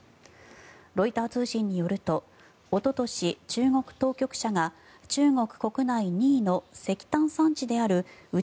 ロイター通信によるとおととし、中国当局者が中国国内２位の石炭産地である内